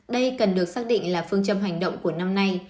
đây cần được xác định là phương châm hành động của năm nay